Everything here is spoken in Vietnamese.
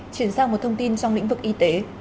chuyển sang một thông tin trong lĩnh vực y tế